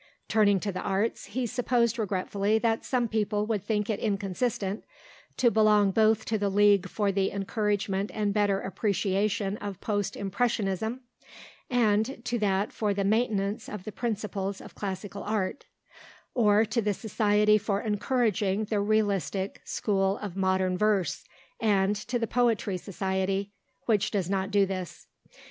Turning to the arts, he supposed regretfully that some people would think it inconsistent to belong both to the League for the Encouragement and Better Appreciation of Post Impressionism, and to that for the Maintenance of the Principles of Classical Art; or to the Society for Encouraging the Realistic School of Modern Verse, and to the Poetry Society (which does not do this.)